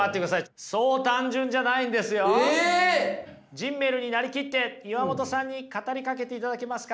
ジンメルになりきって岩本さんに語りかけていただけますか。